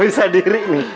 bisa diri nih